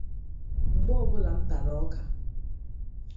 Mgbe ọbụla m tara ọka